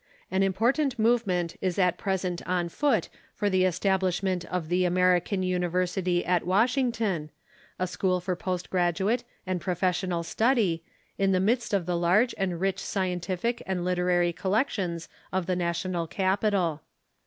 An impor tant movement is at present on foot for the establishment of The American University at Washington, a school for post graduate and professional stud}^, in the midst of the large and rich scientific and literary collections of the national capital.